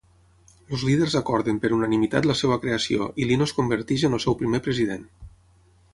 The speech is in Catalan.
Els líders acorden per unanimitat la seva creació i Lino es converteix en el seu primer president.